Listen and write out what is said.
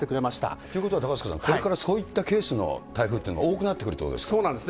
ということは高塚さん、これからそういったケースの台風っていうのが多くなってくるといそうなんですね。